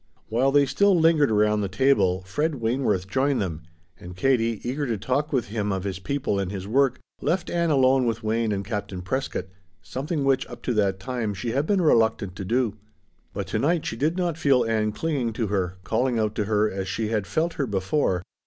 While they still lingered around the table Fred Wayneworth joined them, and Katie, eager to talk with him of his people and his work, left Ann alone with Wayne and Captain Prescott, something which up to that time she had been reluctant to do. But to night she did not feel Ann clinging to her, calling out to her, as she had felt her before.